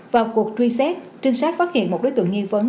vào cuộc truy xét trinh sát phát hiện một đối tượng nghi vấn